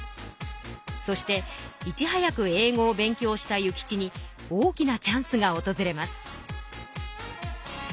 そしていちはやく英語を勉強した諭吉に大きなチャンスがおとずれます。